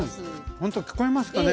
ほんと聞こえますかね？